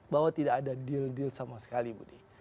bahwa tidak ada deal deal sama sekali budi